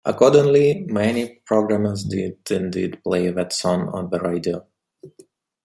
Accordingly, many programmers did indeed play that song on the radio.